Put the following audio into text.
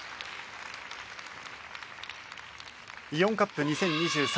イオンカップ２０２３